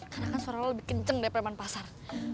karena kan suara lo lebih kenceng dari perempuan pasar